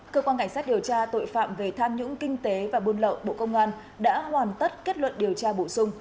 cơ quan cảnh sát điều tra tội phạm về tham nhũng kinh tế và buôn lậu bộ công an đã hoàn tất kết luận điều tra bổ sung